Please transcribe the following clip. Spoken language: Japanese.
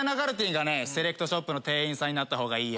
がねセレクトショップの店員さんになったほうがいいよ。